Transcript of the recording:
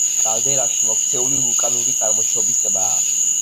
კალდერაში მოქცეული ვულკანური წარმოშობის ტბაა.